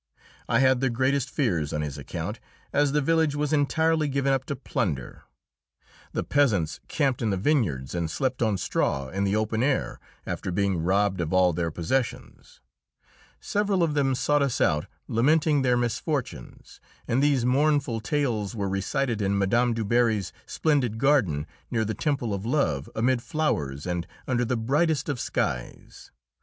I had the greatest fears on his account, as the village was entirely given up to plunder. The peasants camped in the vineyards and slept on straw in the open air, after being robbed of all their possessions. Several of them sought us out, lamenting their misfortunes, and these mournful tales were recited in Mme. Du Barry's splendid garden, near the "Temple of Love," amid flowers and under the brightest of skies!